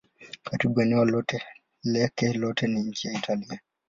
Karibu eneo lake lote ni nchi ya Italia.